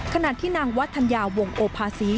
ขณะที่นางวัดธัญาวงค์โอภาศี